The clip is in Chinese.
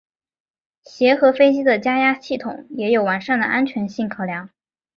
协和飞机的加压系统也有完善的安全性考量。